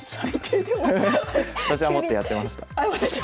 私はもっとやってました。